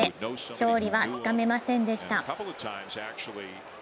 勝利はつかめませんでした。